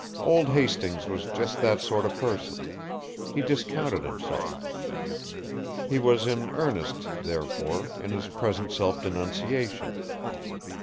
Old Hastings was just that sort of person; he discounted himself. He was in earnest, therefore, in his present self denunciation.